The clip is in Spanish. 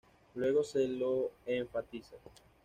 Luego se lo enfatiza.